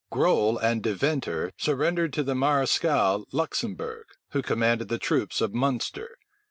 Groll and Deventer surrendered to the mareschal Luxembourg, who commanded the troops of Munster.